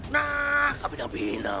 nah kami sudah pindah